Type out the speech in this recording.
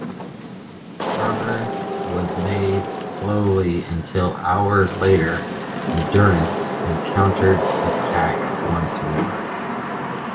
Progress was made slowly until hours later "Endurance" encountered the pack once more.